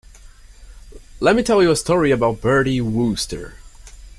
Let me tell you a story about Bertie Wooster.